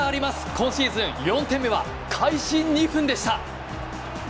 今シーズン４点目は開始２分でした。